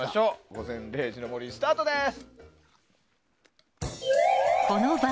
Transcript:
「午前０時の森」、スタートです。